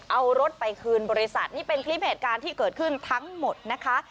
เอารถไปคืนบริษัทนี่เป็นคลิปเหตุการณ์ที่เกิดขึ้นทั้งหมดนะคะ